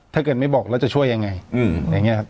ถ้าเกิดไม่บอกเราจะช่วยยังไง